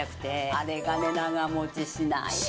あれがね長持ちしないのよ。